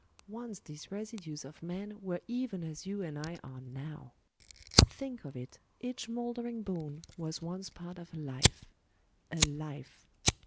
Once these residues of men were even as you and I are now. Think of it, each mouldering bone was once part of a life ŌĆö a life